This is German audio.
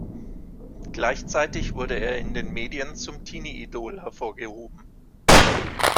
Gleichzeitig wurde er in den Medien zum Teenie-Idol hervorgehoben.